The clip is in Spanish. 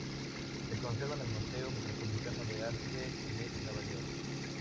Se conserva en el Museo Metropolitano de Arte de Nueva York.